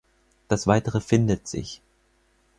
Das Weitere findet sich.